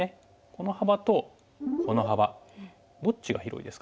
この幅とこの幅どっちが広いですか？